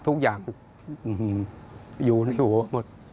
ทุกอย่างอยู่ในหัวหมด